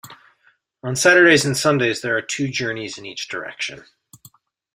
On Saturdays and Sundays there are two journeys in each direction.